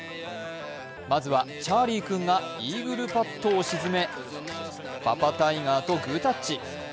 まずはチャーリー君がイーグルパットを沈めパパタイガーとグータッチ。